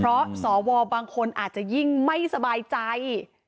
เพราะสวบางคนอาจจะยิ่งไม่สบายใจ